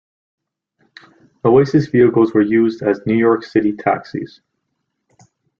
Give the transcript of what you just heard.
Oasis vehicles were used as New York City taxis.